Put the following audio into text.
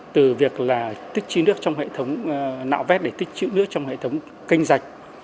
từ việc tích chữ nước trong hệ thống nạo vét để tích chữ nước trong hệ thống kênh dạch